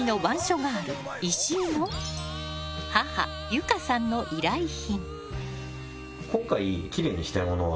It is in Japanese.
ガール石井の母結花さんの依頼品。